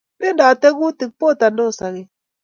Bendotei kutik, botandos sogek